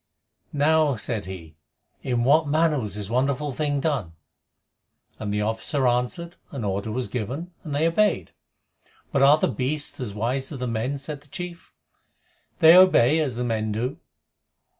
"Now," said he, "in what manner was this wonderful thing done?" And the officer answered, "An order was given, and they obeyed." "But are the beasts as wise as the men?" said the chief. "They obey, as the men do.